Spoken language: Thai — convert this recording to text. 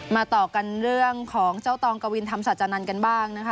ต่อกันเรื่องของเจ้าตองกวินธรรมศาจานันทร์กันบ้างนะคะ